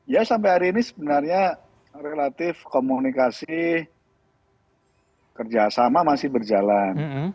ya sampai hari ini sebenarnya relatif komunikasi kerjasama masih berjalan